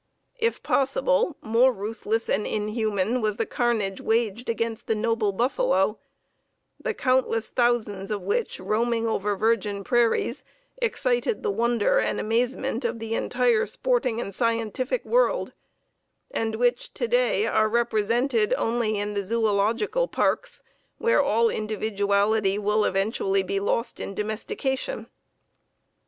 If possible, more ruthless and inhuman was the carnage waged against the noble buffalo, the countless thousands of which roaming over virgin prairies excited the wonder and amazement of the entire sporting and scientific world, and which, to day, are represented only in the zoölogical parks, where all individuality will eventually be lost in domestication.